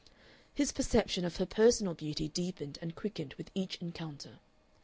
His perception of her personal beauty deepened and quickened with each encounter.